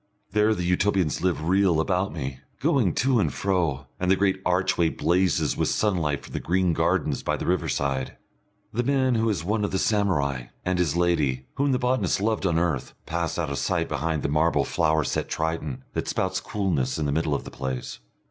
There the Utopians live real about me, going to and fro, and the great archway blazes with sunlight from the green gardens by the riverside. The man who is one of the samurai, and his lady, whom the botanist loved on earth, pass out of sight behind the marble flower set Triton that spouts coolness in the middle of the place.